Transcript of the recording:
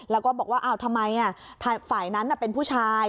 แล้วก็บอกว่าทำไมฝ่ายนั้นเป็นผู้ชาย